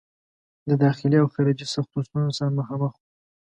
د داخلي او خارجي سختو ستونزو سره مخامخ وو.